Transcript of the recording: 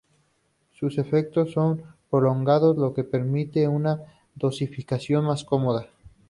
Sus efectos son prolongados, lo que permite una dosificación más cómoda.